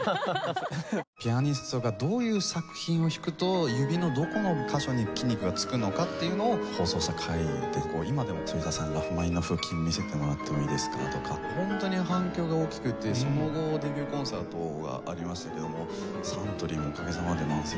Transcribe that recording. ピアニストがどういう作品を弾くと指のどこの箇所に筋肉が付くのかっていうのを放送した回で今でも「反田さんラフマニノフ筋見せてもらってもいいですか」とかホントに反響が大きくてその後デビューコンサートがありましたけどもサントリーもおかげさまで満席になりました。